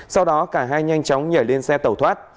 sau đó cả hai nhanh chóng nhảy lên xe tẩu thoát